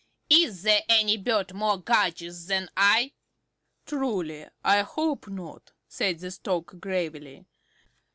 "Is there any bird more gorgeous than I?" "Truly, I hope not," said the Stork gravely.